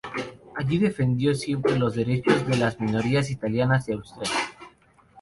Allí defendió siempre los derechos de las minorías italianas de Austria.